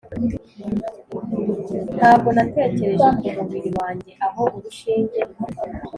ntabwo natekereje kumubiri wanjye aho urushinge.